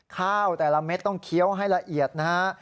ข้าวแต่ละเม็ดต้องเคี้ยวให้ละเอียดนะฮะ